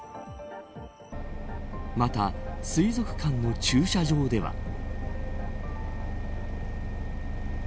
また、水族館の駐車場では。